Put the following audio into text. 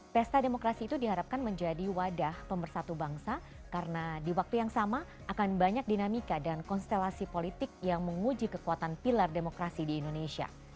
pesta demokrasi itu diharapkan menjadi wadah pemersatu bangsa karena di waktu yang sama akan banyak dinamika dan konstelasi politik yang menguji kekuatan pilar demokrasi di indonesia